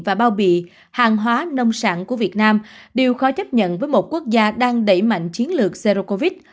và bao bì hàng hóa nông sản của việt nam đều khó chấp nhận với một quốc gia đang đẩy mạnh chiến lược zero covid